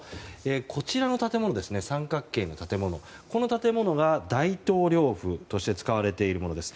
こちらの三角形の建物が大統領府として使われているものです。